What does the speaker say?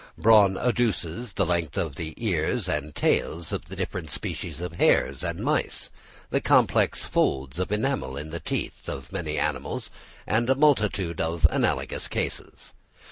Bronn adduces the length of the ears and tails in the different species of hares and mice—the complex folds of enamel in the teeth of many animals, and a multitude of analogous cases.